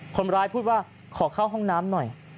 คนร้ายพูดว่าขอเข้าห้องน้ำหน่อย